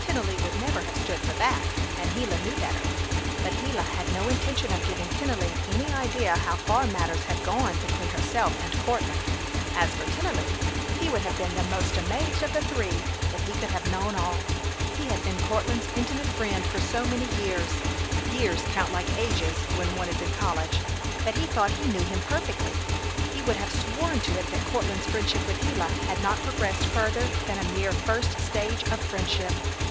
Tennelly would never have stood for that, and Gila knew better. But Gila had no intention of giving Tennelly any idea how far matters had gone between herself and Courtland. As for Tennelly, he would have been the most amazed of the three if he could have known all. He had been Courtland's intimate friend for so many years years count like ages when one is in college that he thought he knew him perfectly. He would have sworn to it that Courtland's friendship with Gila had not progressed further than a mere first stage of friendship.